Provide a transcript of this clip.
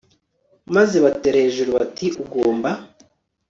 maze batera hejuru bati ugomba